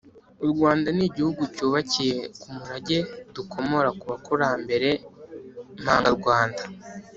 U Rwanda ni igihugu cyubakiye ku murage dukomora ku bakurambere mpangarwanda